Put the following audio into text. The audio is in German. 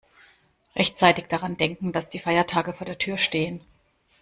Rechtzeitig daran denken, dass die Feiertage vor der Tür stehen.